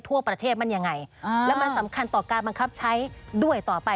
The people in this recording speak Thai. ทั่วประเทศมันยังไงแล้วมันสำคัญต่อการบังคับใช้ด้วยต่อไป